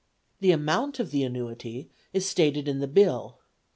The amount of the annuity is stated in the Bill.